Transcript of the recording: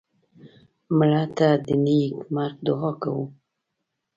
مړه ته د نیک مرګ دعا کوو